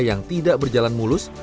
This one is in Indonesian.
yang tidak berjalan mulus